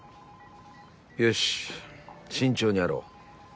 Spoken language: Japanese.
よし慎重にやろう。